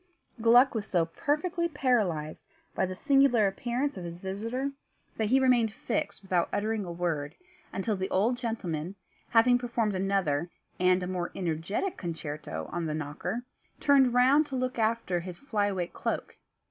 Gluck was so perfectly paralysed by the singular appearance of his visitor that he remained fixed without uttering a word, until the old gentleman, having performed another, and a more energetic concerto on the knocker, turned round to look after his fly away cloak.